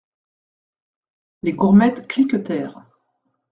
Les gourmettes cliquetèrent.